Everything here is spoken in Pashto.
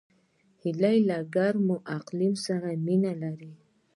هیلۍ له ګرم اقلیم سره مینه لري